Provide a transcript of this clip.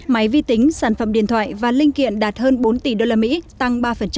máy vi tính sản phẩm điện thoại và linh kiện đạt hơn bốn tỷ đô la mỹ tăng ba